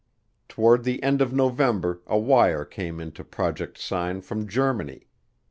Toward the end of November a wire came into Project Sign from Germany.